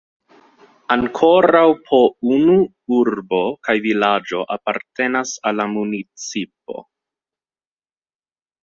Ankoraŭ po unu urbo kaj vilaĝo apartenas al la municipo.